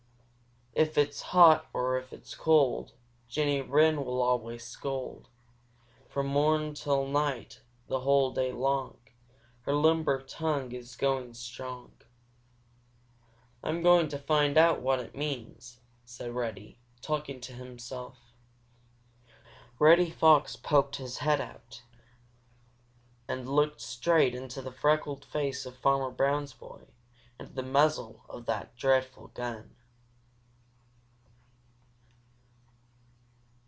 "If it's hot or if it's cold, Jenny Wren will always scold. From morn till night the whole day long Her limber tongue is going strong. "I'm going to find out what it means," said Reddy, talking to himself. Reddy Fox poked his head out and looked straight into the freckled face of Farmer Brown's boy and the muzzle of that dreadful gun!